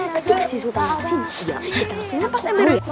ketika si suta kesini kita langsung lepas embernya